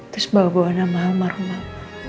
terus bawa bawa nama rumah